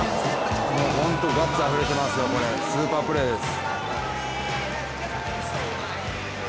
本当、ガッツあふれてますよスーパープレーです。